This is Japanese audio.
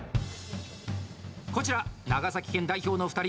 こちら長崎県代表の２人。